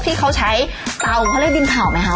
ที่เค้าใช้เตาเค้าเรียกดินเผ่าไหมครับ